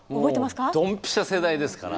もうドンピシャ世代ですから。